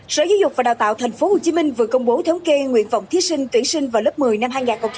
sở giáo dục và đào tạo tp hcm vừa công bố thống kê nguyện vọng thiết sinh tuyển sinh vào lớp một mươi năm hai nghìn một mươi chín